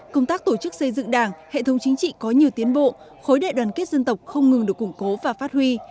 công tác tổ chức xây dựng đảng hệ thống chính trị có nhiều tiến bộ khối đại đoàn kết dân tộc không ngừng được củng cố và phát huy